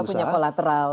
tidak punya kolateral